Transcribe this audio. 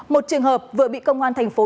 một trường hợp vừa bị công an thành phố